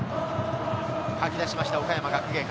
かき出しました、岡山学芸館。